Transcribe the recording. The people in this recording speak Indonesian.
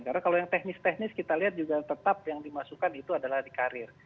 karena kalau yang teknis teknis kita lihat juga tetap yang dimasukkan itu adalah di karir